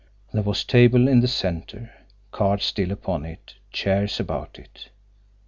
There was table in the centre, cards still upon it, chairs about it.